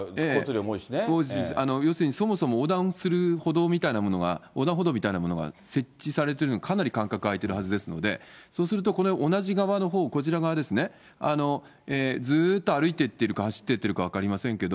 多いし、要するにそもそも横断する歩道みたいなものは、横断歩道みたいなものが設置されてるの、かなり間隔開いてるはずですので、そうするとこれ、同じ側のほう、こちら側ですね、ずっと歩いていってるか、走っていってるか分かりませんけど、